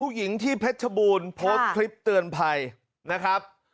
หญิงที่เพชรบูรณ์โพสต์คลิปเตือนภัยนะครับ